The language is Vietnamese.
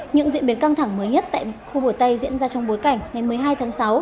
những diễn biến căng thẳng mới nhất tại khu bờ tây diễn ra trong bối cảnh ngày một mươi hai tháng sáu